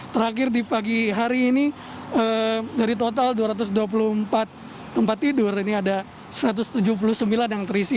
terakhir di pagi hari ini dari total dua ratus dua puluh empat tempat tidur ini ada satu ratus tujuh puluh sembilan yang terisi